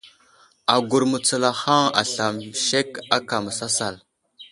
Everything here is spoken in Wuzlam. Agur mətsalahaŋ aslam sek aka sasal.